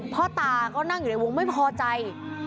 พ่อตาก็นั่งอยู่ในวงไม่พอใจ